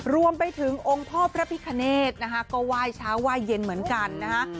รวมไปถึงองค์พ่อพระพิคเนธนะคะก็ไหว้เช้าไหว้เย็นเหมือนกันนะฮะ